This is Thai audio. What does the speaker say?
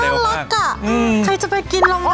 แล้วมันน่ารักอ่ะอืมใครจะไปกินลงกันอ่ะ